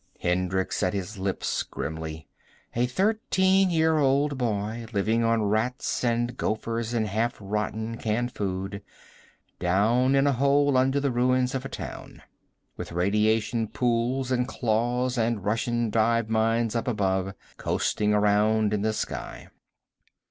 Hendricks set his lips grimly. A thirteen year old boy, living on rats and gophers and half rotten canned food. Down in a hole under the ruins of a town. With radiation pools and claws, and Russian dive mines up above, coasting around in the sky.